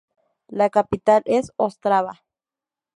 La capital es Ostrava.